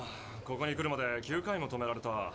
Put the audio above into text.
ここに来るまで９回も止められた。